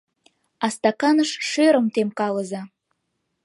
А стаканыш шӧрым темкалыза!